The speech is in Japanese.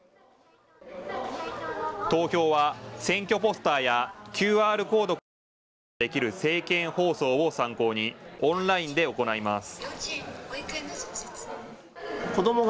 投票は選挙ポスターやＱＲコードから見ることができる政見放送を参考にオンラインで行います。